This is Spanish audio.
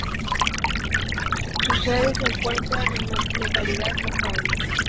Su sede se encuentra en la localidad de Tafalla.